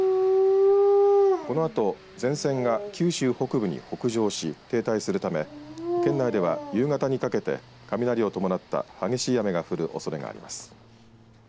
このあと前線が九州北部に北上し停滞するため県内では夕方にかけて雷を伴った激しい雨が降るおそれがあります。